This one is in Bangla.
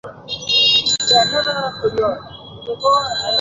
তারা ক্রমেই তাদের অবস্থান থেকে সরে আসতে লাগল।